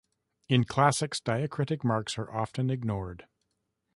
In classics, diacritic marks are often ignored.